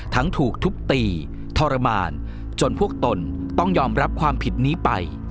ถูกทุบตีทรมานจนพวกตนต้องยอมรับความผิดนี้ไป